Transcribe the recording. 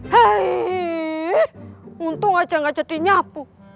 hai untung aja gak jadi nyapu